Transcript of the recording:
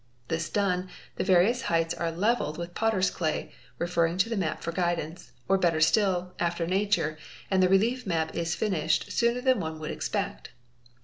This done, the various heights are levelled with potter's clay, referring to the map for guidance, or better | till, 'after nature, and the relief map is finished sooner than one would "expect.